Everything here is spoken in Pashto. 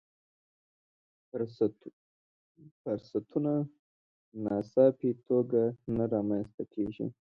فرصتونه ناڅاپي توګه نه رامنځته کېږي.